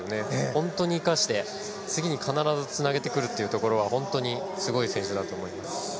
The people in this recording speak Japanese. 本当に生かして次に必ずつなげてくるというところは本当にすごい選手だと思います。